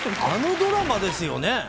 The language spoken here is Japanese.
あのドラマですよね。